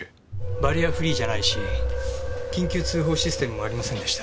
バリアフリーじゃないし緊急通報システムもありませんでした。